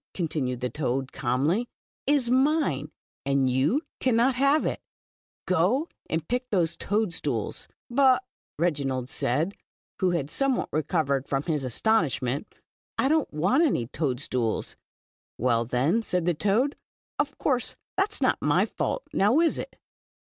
" continued the toad, calmly, •is mine, and you cannot have iL Go and pick those toad stools. "• But" said Reginald, who had somewhat recovered from his astonishment, I don t want any toad stools." •'Well, then," said the toad, "of course, that is not my fault, now is it?